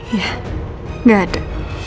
iya gak ada